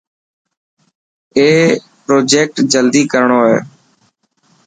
اي پرجيڪٽ جلدي ڪرڻو هي.